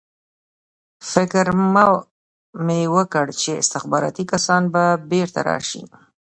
فکر مې وکړ چې استخباراتي کسان به بېرته راشي